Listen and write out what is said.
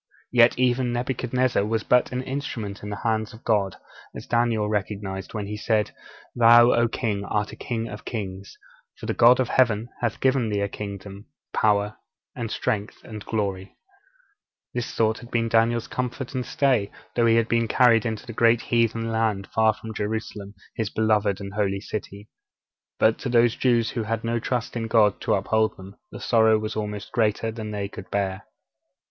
Yet even Nebuchadnezzar was but an instrument in the hands of God, as Daniel recognized when he said: 'Thou, O king, art a king of kings: for the God of Heaven hath given thee a kingdom, power, and strength, and glory.' (Daniel ii. 37.) This thought had been Daniel's comfort and stay, though he had been carried into the great heathen land far from Jerusalem, his beloved and holy city. But to those Jews who had no trust in God to uphold them, the sorrow was almost greater than they could bear.